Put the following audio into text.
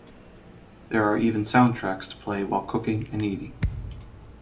There are even soundtracks to play while cooking and eating.